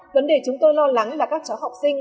vấn đề chúng tôi lo lắng là các cháu học sinh